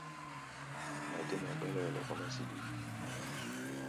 Mɛ dé mɔ gbɛ́lɛ́wɛlɛ kɔ́-mɛ́ síɓí.